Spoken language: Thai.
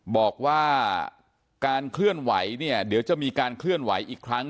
บอกว่าการเคลื่อนไหวเนี่ยเดี๋ยวจะมีการเคลื่อนไหวอีกครั้ง